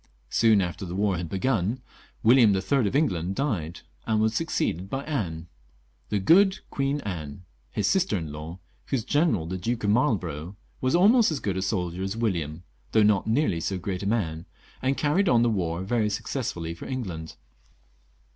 Soon after the war had begun William III. of England died, and was succeeded by Anne — "the good Queen Anne" — his sister in law, whose general, the Duke of Marlborough, was almost as good a soldier as William, though a far less great man, and carried on the war very successfully for England.